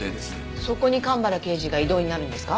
そこに蒲原刑事が異動になるんですか？